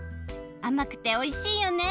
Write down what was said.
あまくておいしいよね。